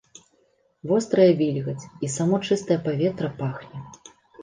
Вострая вільгаць, і само чыстае паветра пахне.